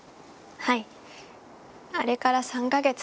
はい。